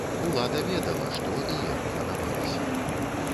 Улада ведала, што і як планавалася.